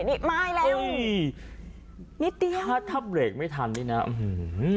นี่ไม่แล้วนิดเดียวถ้าถ้าเบรกไม่ทันนี่นะอื้อหือ